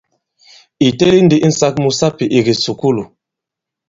Ì teli ndi insāk mu sapì i kìsùkulù.